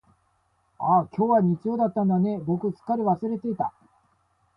ああ、今日は日曜だったんだね、僕すっかり忘れていた。